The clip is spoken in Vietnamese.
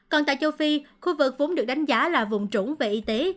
còn tại châu phi khu vực vốn được đánh giá là vùng trũng về y tế